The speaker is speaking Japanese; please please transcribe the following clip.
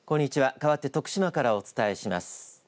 かわって徳島からお伝えします。